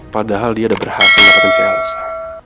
padahal dia udah berhasil ngapain si elsa